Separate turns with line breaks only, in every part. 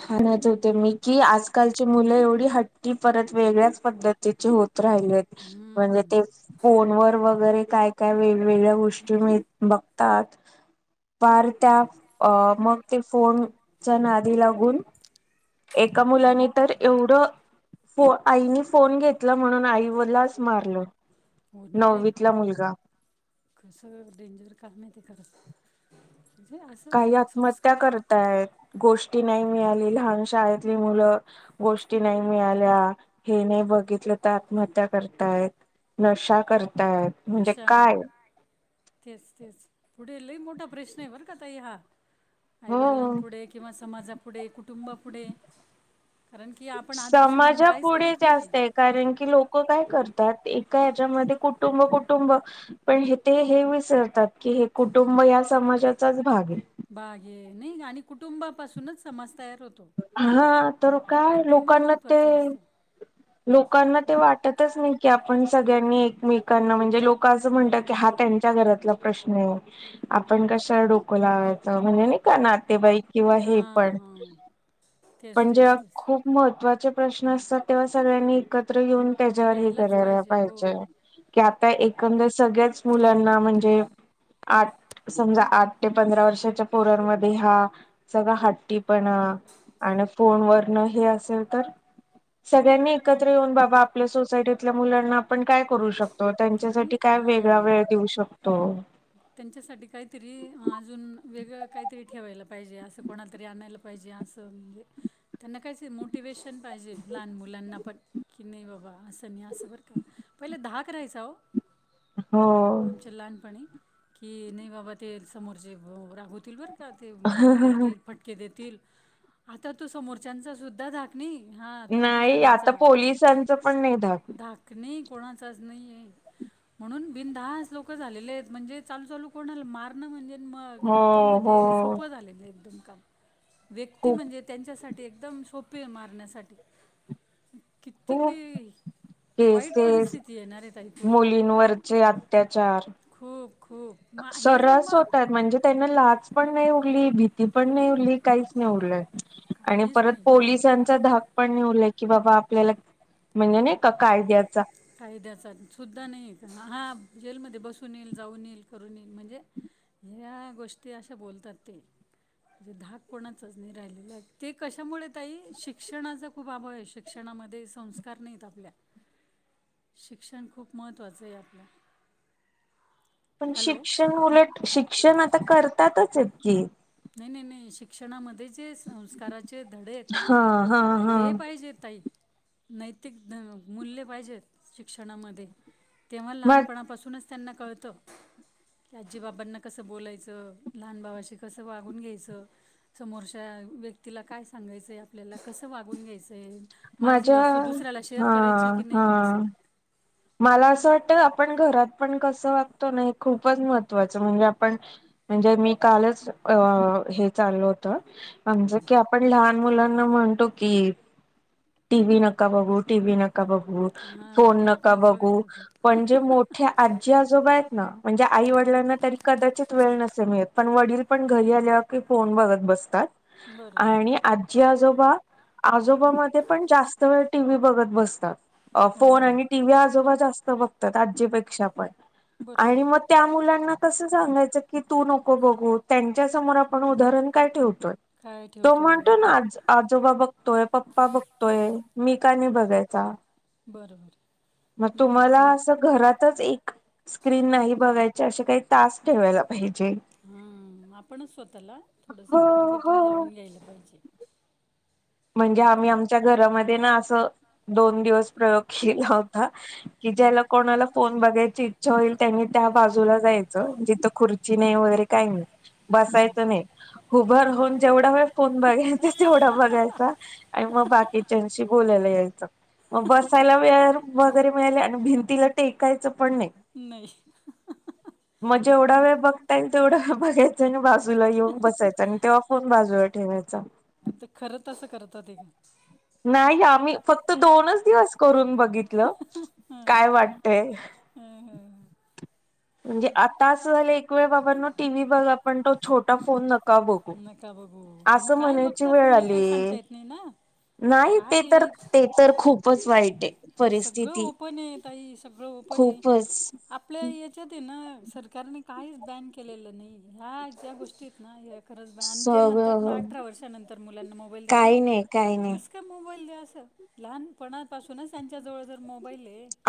हा ना तर मी की आजकालची मुलं एवढी हट्टी परत वेगळ्याच पद्धतीची होती राहिलेत म्हणजे
हम्म
ते फोन वर वगैरे काय काय वेगवेगळ्या गोष्टी नि बघतात पार त्या अ मग ते फोनच्या नादी लागून एका मुलाने तर ऐवढं हो आईनी फोन घेतला म्हणून आई मलाच मारलो
हो न भाई कस डेंजर काय माहित करत
काही आत्महत्या करत्यात गोष्ट नाही मिळाली लहान शाळली मुलं गोष्टी नाही मिळाल्या हे नाही बघितलं आत्महत्या करत्यात नशा करत्यात
नशा तेच तेच पुन्हा पुढे लय मोठा प्रश्न आहे बंर का ताई हा आईवडिलां
हो,
पुुढे किंवा समाजा पुढे कुटुंबा अ पुुढे
समाजा पुढे
नाही
जास्तय आहेय कारण की लोक काय करतात हयात ऐकाहयाच्यामध्ये कुटुंब कुटुंब पण हे ते हे विसरतात की हे कुुंटुब हो मग या समाजाचाच भाग आहे
बागे नाही आणि कुटुंबापासूनच समाज तयार होतो
हा ह तर काय
कुटुंब
लोकांना ते
महत्त्वाचं असतं
लोकांना ते वाटतच नाहीय की आपण सगळ्यांनी एकमेकांना म्हणजे लोक असं म्हणतात की हा त्यांच्या घरातला प्रश्न आहे आपण कशा डोक‌ लावायचं म्हणजे का ना ते बाईक किंवा हे
हां
पण
हां तेच
पण
तेच
जेव्हा
तेच
खूप महत्त्वाचे प्रश्न असतात तेव्हा ह सगळ्यांनी एकत्र ते येऊन
यायलाच
करणारा
हो
पाहिजे की आप हया एकंदर सगळ्याच मुलांना म्हणजे आठ समजा आठ ते पंधरा वर्षाच्या पोरमध्ये हा सगळा हट्टी पण आणि फोनवरून हे असेल तर सगळ्यांनी एकत्र येऊन बाबा आपल्या सोसायटीतल्या मुलांना आपण काय करू शकतो
आणि
त्यांच्यासाठी काय वेगळा
हां
वेळ देऊ शकतो
त्यांच्यासाठी काहीतरी री अजून वेगळं काहीतरी ठेवायला पाहिजे असं कोणातरी आणायला पाहिजे असं म्हणजे त्यांना कायच मोटिवेशन पाहिजे लहान मुलांना पण की नाही बाबा असं त्यानी अस बरं का पहिलं दहा करायचा हो
हो
आमच्या लहानपणी कि नाही बाबा ते समोरचे रागवतील बर आता ते हे करतील फटके देतील आता तू समोरच्याचा सुद्धा धाक नाही हां तू तुझ्या
नाही आता
घरचा
पोलिसांचं पण नाही धाक
धाकणे कोणाचाच नाही आहे म्हणून बिनधास्त लोक झालेले आहेत म्हणजे चालू चालू कोणाला मारण म्हणजे मग
हो
एकदम
हो
म्हणजे सोपं झालेल एकदम काम व्यक्ती
खूप
म्हणजे त्यांच्यासाठी एकदम सोपे आहे मारण्यासाठी किती की
तेच
वाईट
ते
परिस्थिती येणार आहे ताई पुढे खूप
मुलींवरचे अत्याचार
खूप खूप मा हेच ना
सर्रास
मग
होत आहेत म्हणजे त्यांना लाज पण नाही उरली भीती पण नाही उरली काहीच नाही उरलं. आणि
काहीच
परत
नाही
पोलिसांचा धा पण उरलंय की बाबा आपल्याला म्हणजे नाही कायद्याच्या,
कायद्याचा सुद्धा नाही का हा जेलमध्ये बसून येईल जाऊन येईल करून येईल म्हणजे, ह गोष्टी अशा बोलतात ते, म्हणे धाक कोणाच नाही राहिलेला ते कशामुळे तई शिक्षणाचा खूप अभाव आहे शिक्षणा, संस्कार नाहीत आपल्या, शिक्षण खूप महत्त्वाचं आहे आपलं.
पण
हॅलो
शिक्षण उलट. शिक्षण आता करतातच आहेत की?
नाही नाही नाही शिक्षणामध्येच संस्काराचे धडे आहेत ना.
हा हा हा
ते पाहिजे ताई. नैतिक मूल्य पाहिजेत शिक्षणामध्ये. तेव्हा
म
लहानपणापासूनच. त्यांना कळत की आजी-बाबांना कसं बोलायचं? लहान भावाशी कसं वागून घ्यायचं? समोरच्या व्यक्तीला काय सांगायचंय आपल्याला कसं वागून घ्यायचं? ते माझी
माझ्या
वस्तू दुसऱ्याला
हा
शेअर करायची की
हा
नाही असं
मला असं वाटत आपण घरात पण कसं वागतो ना हे खूपच महत्त्वाचं म्हणजे आपण म्हणजे मी कालच अ हे चालल होत. म्हणजे की आपण लहान मुलांना म्हणतो की टी व्ही नका बघू. टी व्ही नका नका बघु.
हां
फोन
आणि
न का
आपणच
बघू
बघत राहतो
पण जे मोठे आजी-आजोबा आहेत ना म्हणजे आई वडलांना तरी कदाचित वेळ न असं मिळत. पण वडील पण घरी आल्या की फोन बघत बसतात.
बरोबर
आणि आजी-आजोबा आजोबामध्ये पण जास्त वेळ टी व्ही बघत बसतात. अ फोन
हो
आणि ते आजोबा जास्त बघतात आजीपेक्षा पण आणि
बरोबर
मग त्या मुलांना तस सांगायचं की तू नको बघू त्यांच्या समोर आपण उदाहरण काय ठेव तोय.
काय
तो
ठेवतोय
म्हनतोय ना आजो-आजोबा बघतोय. पप्पा बघतोय. मी का नाही बघायचा?
बरोबर.
मग
नाही
तुम्हाला
हे
अस घरातच एक स्क्रीन नाही बघाय ते असे काही तास ठेवाय लाग
हम्म आपणच स्वतःला थोडस
हो
बॅरिगेटिंग
हो
लावून घ्यायलं पाहिजे.
म्हणजे आम्ही
ताम
आमच्या घरामध्ये ना असं दोन दिवस प्रयोग केला हो ता. कि
हं,
ज्याला कोणाला फोन बघायची ई च्छा होईल त्यांनी त्या बाजूला जायचं जिथं खुर्ची नाही वगैरे काही नाही.
हं.
बसायचं नाही उभ राहुन जेवढा होय फोन बघायचा तेवढा बघाय अता आणि मग बाकीच्यांशी बोलायला यायचं. मग बसायला वेळ वगैरे मिळाले आणि भिंतीला टेकायचं पण नाही
नाही ह
[unintelligible] मग जेवढा वेळ बघता येईल तेवढा वेळ बघायचा आणि बाजूला येऊन बसायचं आणि तेव्हा फोन बाजूला ठेवा [unintelligible] चा
पण ते खरत तात हे का?
नाही गं आम्ही फक्त दोनच दिवस करून बघ बघितलं.
हां
काय वाटतय?
हम्म हम्म
म्हणजे आता असं झालं एक वेळ बाबांनो टीव्ही बघा पण तो छोटा फोन न का बघु.
हो कारण काय बघतात मुलं काही सांगता येत नाही ना.
नाही
काय
ते तर
आहे
ते तर खूपच वाईटये.
सगळं ओपन आहे ताई सगळं ओपन आहे.
खूपच
आपल्या याच्यात न सरकारने काहीच बॅन केलेलं नाही आणि ह्या ज्या गोष्टी आहेत ना ह्या खरच बाई आणि ते म्हणतात मग
सगळं
अठरा वर्षानंतर मुलांना मोबाईल द्या रे
काही नाही काही नाही
कस काय मोबाईल द्या? [unintelligible] लहानपणापासूनच त्यांच्या जवळ जर मो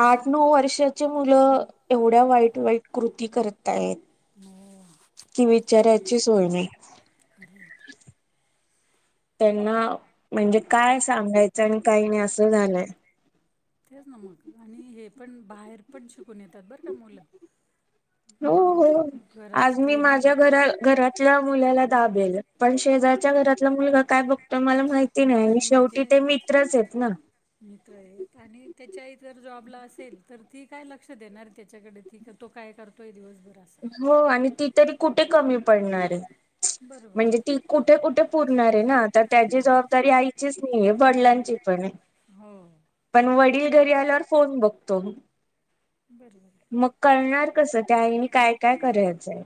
आठ, नऊ वर्षाचे मुलं एवढ्या वाईट वाईट कृती कर तायेत.
हो
[inaudible] काही विचारायची सोय नाही.
खरं आहे.
[inaudible] त्यांना म्हणजे काय सांगायचं आणि काही नाही असं झालंय.
तेच ना मग आणि हे पण बाहेर पण शिकून येतात बरं का मुलं.
हो
हम्म,
हो,
घरात
आज मी
ते नाही
माझ्या
आहे
घरा घरातल्या मुलाला दाबेल, पण शेजा च्या घरातला मुलगा काय बघतो मला माहिती नाही
मला
आन
माहिती
शेवटी
आहे
ते मित्रच आहेत ना.
ची आय जर जॉबला असेल, तर ती काय लक्ष देणार त्याच्याकडे ती तो काय करतोय दिवस
हो आणि ती तरी कुठे कमी पडणार आहे,
बरोबर
म्हणजे ती कुठे कुठे पुरणार आहे ना, तर
पूर्ण
त्याची
आहे.
जबाबदारी आईचीच नाहीये वडलांची पण आहे.
होय.
पण वडील घरी आल्यावर फोन बघतो,
बरोबर आहे.
मग कळणार कसं, त्या आईनी काय काय करायचंय?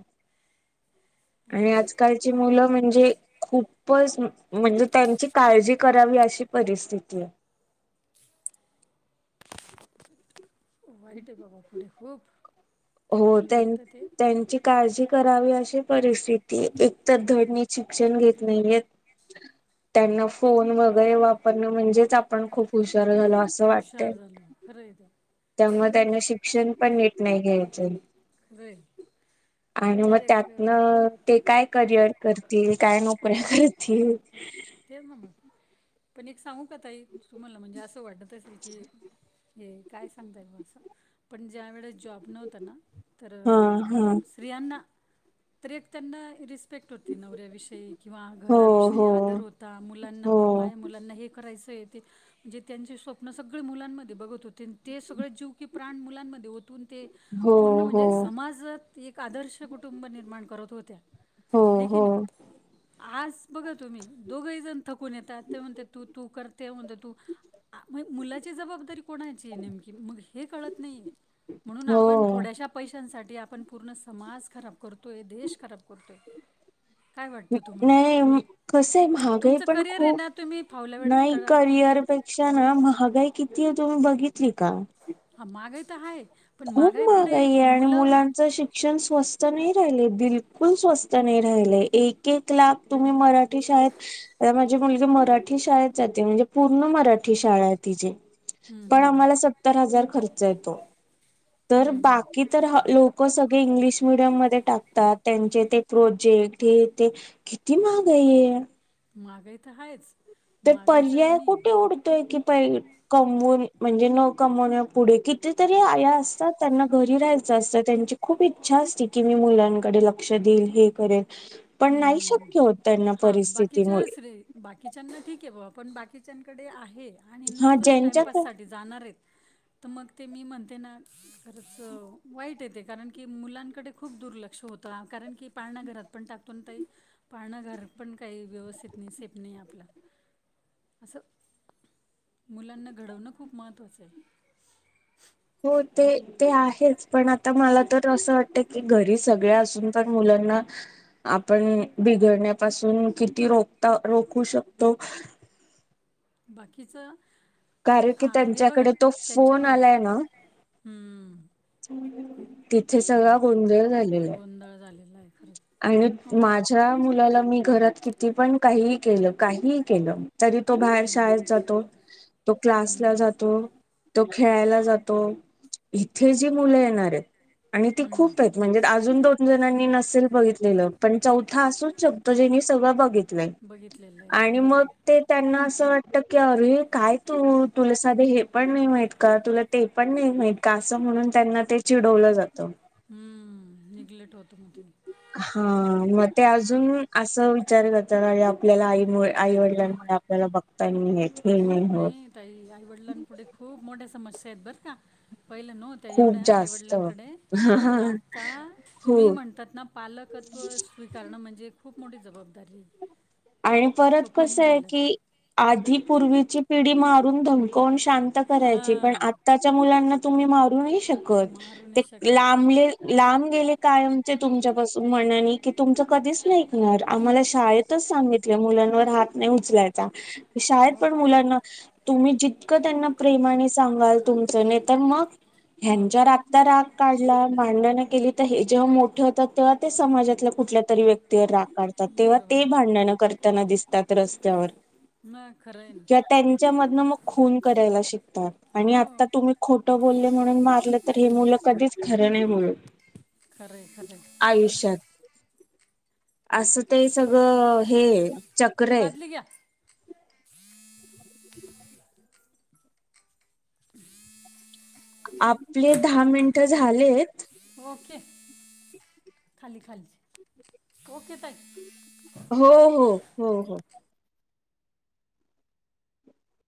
आणि
हम्म.
आजकालची मुलं म्हणजे खूपच म्हणजे त्यांची काळजी करावी अशी परिस्थिती आहे.
वाईट आहे बाबा पुढे खूप.
हो,
आपल्याला
त्यां
वाटतं ते
त्यांची काळजी करावी अशी परिस्थिती आहे, एकतर धड नीट शिक्षण घेत नाहीयेत. त्यांना फोन वगैरे वापरणं म्हणजेच आपण खूप हुश शार झालं असं वाटतंय,
हुशार झालं खरं आहे ते
त्यामुळे त्यांना शिक्षण पण नीट नाही घे च
खरं आहे
आणि मग
ते एक
त्यातनं ते काय करिअर करतील, काय नोकऱ्या करतील?
तेच ना मग पण एक सांगू का ताई? तुम्हाला म्हणजे असं वाटत असल की हे काय सांगताएत‌ बा असं, पण ज्या वेळेस जॉब नव्हतं ना तर
हा
अ
हा
स्त्रियांना तर एक त्यांना रिस पेक्ट होती नवऱ्याविषयी किंवा
हो
घराविषयी
हो
आदर होता, मुलांना
हो
म माया मुलांना हे करायचंय ते, म्हणजे त्यांचे स्वप्न सगळे मुलांमध्ये बघत होते अन ते सगळे जीव की प्राण मुलांमध्ये हो तून ते
हो
पूर्ण
हो
म्हणजे समाजात एक आदर्श कुटुंब निर्माण करत होत्या.
हो
हाय की
हो
नाही, आज बघा तुम्ही दोघही जण थकून येतात, ते म्हणतेत तू तू कर ते म्हणते तू आ मग मुलाची जबाबदारी कोणाची आहे नेमकी? मग हे कळत नाहीये. म्हणून आपण
हो.
थोड्याश्या पैशांसाठी आपण पूर्ण समाज खराब करतोय, देश खराब करतोय. काय वाटतं तुम्हाला
नाही म कसंय महागाई
तुमचं
पण
करिअर आहे
खूप
ना तुम्ही फावल्या वेळात
नाय
करा किंवा
करिअर
काहीतरी
पेक्षा ना महागाई कितीये तुम्ही बघितली का?
हा महागाई तर आहे पण
खूप महागाई
पुढे
आहे आणि
मुलं
मुलांच शिक्षण स्वस्त नाही राहिले. बिलकुल स्वस्त नाय राहिलंय, एक एक लाख तुम्ही मराठी शाळेत अ माझी मुलगी म मराठी शाळेत जाते, म्हणजे पूर्ण मराठी शाळा आहे तिची.
हम्म,
पण
हम्म,
आम्हाला सत्तर हजार खर्च येतो. तर
हम्म, हम्म.
बाकी तर ह् लोकं सग ळी इंग्लिश मिडियम मध्ये टाकतात, त्यांचे ते प्रोजेक्ट हे ते, किती महागाई ए.
महागाई तर हायच.
तर पर्याय कुठे उडतोय की पै कमवून म्हणजे न कमवण्या पुढे, किती तरी आया असतात त्यांना घरी राहायचं असतं, त्यांची खूप इच्छा असते की मुलांकडे लक्ष देईल हे करेल. पण
हम्म
नाही
हम्म हम्म,
शक्य होत त्यांना
हा बाकीच्या
परिस्थितीमुळे
श बाकीच्यांना ठीक क आहे बाबा, पण बाकीच्यांकडे आहे आणि
हा
नुसतंच
ज्यांच्याक
टाइमपास साठी जाणार आहेत.
[inaudible]
तर मग ते मी म्हणते ना, खरंच वाईट आहे ते कारण की मुलांकडे खूप दुर्लक्ष होत ला कारण की पाळणा घरात पण टा पणं ताई पाळणा घर पण काही व्यवस्थित नाही, सेफ नाही आपलं. असं मुलांना घडवणं खूप महत्वाचं आहे.
हो ते ते आहेच, पण आता मला तर असं वाटत की, घरी सगळ असून पण मुल त्यांना आपण बिघडण्यापासून किती रोखता रोखू शकतो?
बाकीच
कारण कि त्यांच्याकडे तो फोन आलाय ना?
हं,
तिथे सगळा गोंधळ झालेला हाय.
गोंधळ झालेला आहे खरंच.
आणि
मग
माझ्या मुलाला मी घरात किती पण? काही केलं, काहीही केलं तरी तो बाहेर
हं,
शाळेत जातो, तो क्लासला
हं,
जातो. तो खेळायला जातो, इथे जी मुलं येणार हाएत आणि ती
हं.
खूप हाएत म्हणजे अजून दोन जणांनी नसेल बघितलेलं, पण चौथा असूच शकतो जेनी सगळं बघितलं. लय
बघितलेलं आहे
आणि मग
बरोबर
ते त्यांना असं वाटत की अरे काय तू? तुला साधे हे पण नाही माहित का? तुला ते पण नाही माहीत का? आसं म्हणून त्यांना ते चिडवलं जात
हम्म निग्लेट होतो म ते.
हा म
बरोबर
ते अजून आसं विचार करतात, आरे आपल्याला आई मुळे आई वडिलांमुळे आपल्याला बघताही ये
खूप नाही ताई, आईवडिलांपुढे खूप मोठ्या समस्या आहेत बर का? पहिलं नव्हत्या
खूप
एवढ्या
जास्त
आईवडिलांकडे,
हा
पण आत्ता तुम्ही
खूप
म्हणतात ना पालक त्व स्वीकारणं म्हणजे खूप मोठी जबाबदारी ये
आणि परत कस हाय की, आधी पूर्वीची पिढी मारून धमवकवून शिक शांत करायची, पण
हां
आताच्या मुलांना तुम्ही मारू नाय श कत,
मारू
ते
नाही शकत
लांबले लांब गेले कायमचे तुमच्यापासून मनानी की तुमचं कधीच नाही ऐकणार, आम्हाला शाळेतच तलं मुलांवर हात नाही उचलायचा, शाळेत
हो
पण
का
मुलांना तुम्ही जित कं त्यांना प्रेमाने सांगाल तुमचं नायतर मग
हां
ह्यांच्यावर आता राग काढला भांडणं केली तर हे जेव्हा मोठे होतात तेव्हा ते समाजातल्या कुठल्या तरी व्यक्तीवर राग काढतात, तेव्हा ते
बरोबर आहे
भांडणं करताना दिसतात रस्त्यावर.
म ख
किंवा त्यांच्या मधनं मग खून करायला शिकतात, आणि
हो
आता तुम्ही खोटं बोलले म्हणून मग मारलं तर हे मुलं कधीच खरं बोलत.
खरंय खरंय.
आयुष्यात असं ते सगळं हे ए
ती बादली घ्या. [unintelligible]
आपले दहा मिनिटं
याची
झालेत.
ओके खाली खाली, ओके ताई.
हो हो, हो हो.